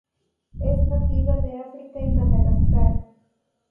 Es nativa de África y Madagascar.